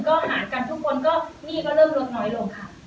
ก็หากันทุกคนก็หนี้ก็เริ่มลดน้อยลงค่ะ